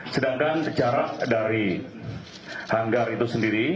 sedangkan jarak dari hanggar itu sendiri